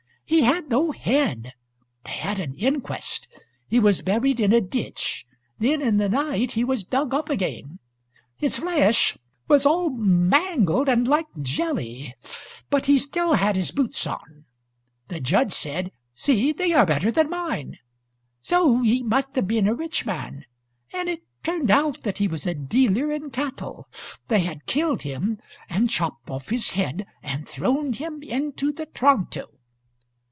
He had no head. They had an inquest; he was buried in a ditch; then in the night he was dug up again. His flesh was all mangled and like jelly, but he still had his boots on. The judge said, 'See, they are better than mine!' So he must have been a rich man. And it turned out that he was a dealer in cattle. They had killed him and chopped off his head, and had thrown him into the Tronto."...